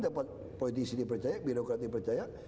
dapat politisi dipercaya birokrat dipercaya